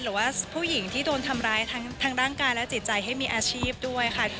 หรือว่าผู้หญิงที่โดนทำร้ายทั้งร่างกายและจิตใจให้มีอาชีพด้วยค่ะ